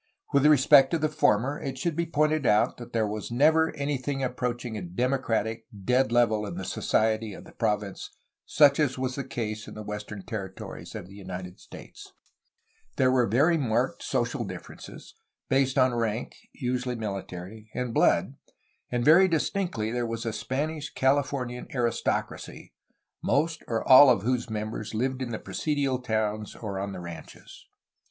With respect to the former it should be pointed out that there never was anything approaching a democratic, dead level in the society of the province such as was the case in the western territories of the United States. There were very marked social differences, based on rank (usually military) and blood, and very distinctly there was a Spanish CaUfornian aristocracy, most, or all, of whose members Uved in the presidial towns or on the ranches.